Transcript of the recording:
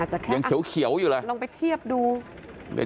อาจจะแค่อักลองไปเทียบดูอย่างเขียวอยู่เลย